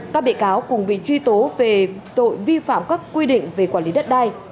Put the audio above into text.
các bị cáo cùng bị truy tố về tội vi phạm các quy định về quản lý đất đai